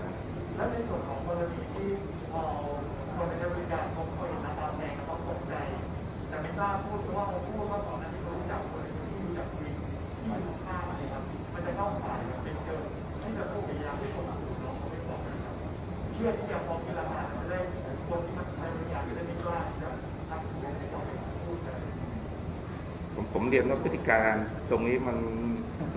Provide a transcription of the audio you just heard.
ผมมีส่วนของกรณีที่เกิดในบริการคนเขาเห็นแล้วแมงเขาต้องกลับใจ